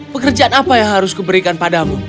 pekerjaan apa yang harus kuberikan padamu